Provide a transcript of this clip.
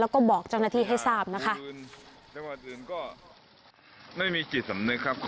แล้วก็บอกจังหงะที่ให้ทราบนะคะไม่มีจิตสำเร็จครับ